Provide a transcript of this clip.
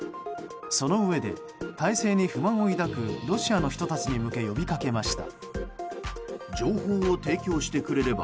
そのうえで、体制に不満を抱くロシアの人たちに向け呼びかけました。